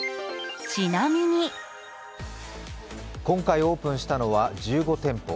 今回オープンしたのは１５店舗。